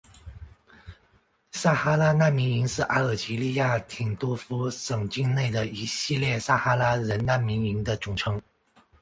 撒哈拉难民营是阿尔及利亚廷杜夫省境内的一系列撒哈拉人难民营的总称。